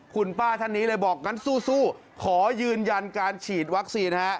คุณป้าท่านนี้เลยบอกงั้นสู้ขอยืนยันการฉีดวัคซีนฮะ